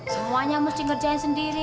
semuanya mesti ngerjain sendiri